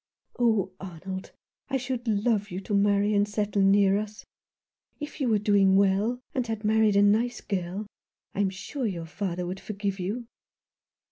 "Oh, Arnold, I should love you to marry and settle near us. If you were doing well, and had 74 Some One who loved Him. married a nice girl, I'm sure your father would forgive you."